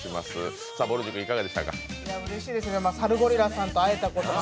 うれしいですね、サルゴリラさんと会えたことが。